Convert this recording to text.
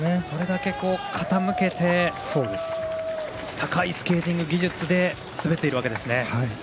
それだけ、傾けて高いスケーティング技術で滑っているわけですね。